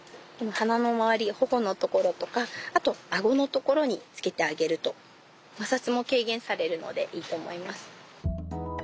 鼻の周り頬のところとかあと顎のところにつけてあげると摩擦も軽減されるのでいいと思います。